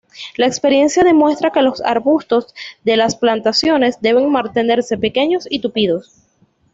La experiencia demuestra que los arbustos de las plantaciones deben mantenerse pequeños y tupidos.